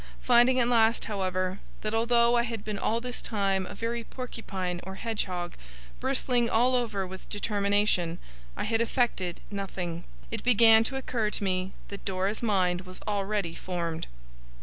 Finding at last, however, that, although I had been all this time a very porcupine or hedgehog, bristling all over with determination, I had effected nothing, it began to occur to me that perhaps Dora's mind was already formed.